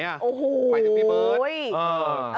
หมายถึงพี่เบิร์ต